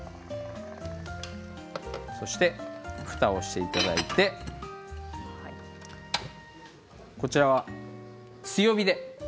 そして、ふたをしていただいてこちらは強火で。